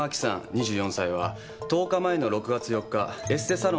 ２４歳は１０日前の６月４日エステサロン